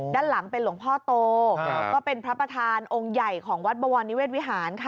ด้านหลังเป็นหลวงพ่อโตแล้วก็เป็นพระประธานองค์ใหญ่นิเวศวิหาร